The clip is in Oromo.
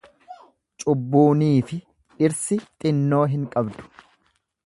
Cubbuuniifi dhirsi xinnoo hin qabdu.